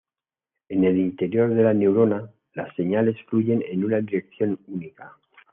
En el interior de la neurona, las señales fluyen en una dirección única.